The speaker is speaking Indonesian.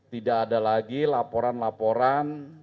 tidak ada lagi laporan laporan